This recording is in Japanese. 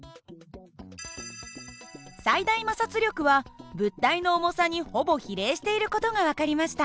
最大摩擦力は物体の重さにほぼ比例している事が分かりました。